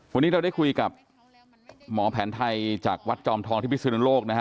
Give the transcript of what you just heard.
วันนี้เราได้คุยกับหมอแผนไทยจากวัดจอมทองที่พิสุนโลกนะฮะ